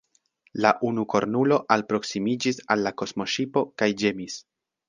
La unukornulo alproskimiĝis al la kosmoŝipo kaj ĝemis.